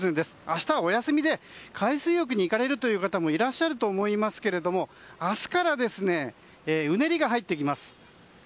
明日はお休みで海水浴に行かれるという方もいらっしゃると思いますけども明日からうねりが入ってきます。